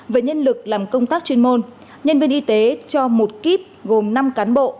về nhân lực làm công tác chuyên môn nhân viên y tế cho một kíp gồm năm cán bộ